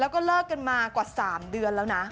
แล้วก็เลิกกันมากว่า๓เดือนแล้วนะ